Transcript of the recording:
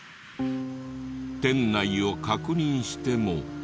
店内を確認しても。